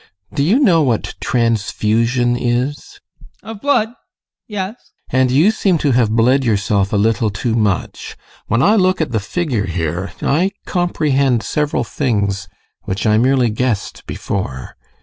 Do you know what transfusion is? ADOLPH. Of blood? Yes. GUSTAV. And you seem to have bled yourself a little too much. When I look at the figure here I comprehend several things which I merely guessed before.